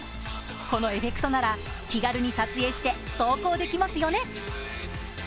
このエフェクトなら気軽に撮影して投稿できますよね。